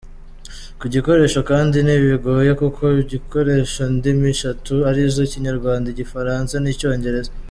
Kugikoresha kandi ntibigoye kuko gikoresha indimi eshatu arizo: Ikinyarwanda, Igifaransa n’ Icyongereza.